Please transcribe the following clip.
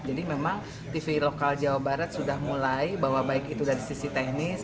jadi memang tv lokal jawa barat sudah mulai bahwa baik itu dari sisi teknis